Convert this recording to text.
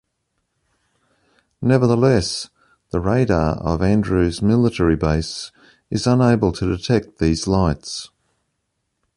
Nevertheless, the radar of Andrews Military base is unable to detect these lights.